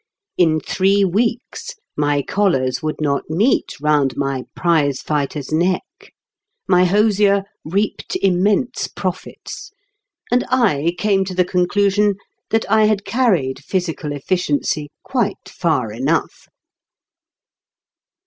In three weeks my collars would not meet round my prize fighter's neck; my hosier reaped immense profits, and I came to the conclusion that I had carried physical efficiency quite far enough.